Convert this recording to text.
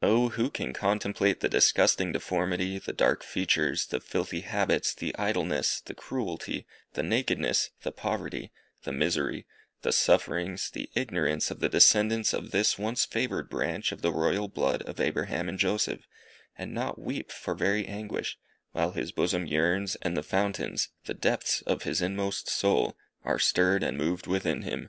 Oh! who can contemplate the disgusting deformity, the dark features, the filthy habits, the idleness, the cruelty, the nakedness, the poverty, the misery, the sufferings, the ignorance of the descendants of this once favoured branch of the royal blood of Abraham and Joseph, and not weep for very anguish, while his bosom yearns, and the fountains the depths of his inmost soul, are stirred and moved within him!